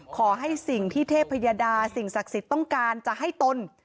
ขอให้สิ่งที่เทพยดาสิ่งศักดิ์สิทธิ์ต้องการจะให้ตน